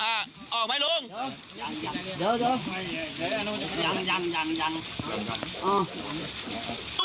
อ่าออกไหมออกแล้วแป๊มแป๊มแป๊มไม่เดี๋ยวแล้วไม่เดี๋ยว